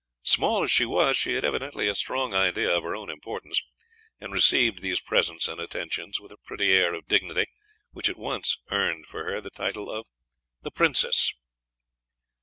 Small as she was, she had evidently a strong idea of her own importance, and received these presents and attentions with a pretty air of dignity which at once earned for her the title of the Princess.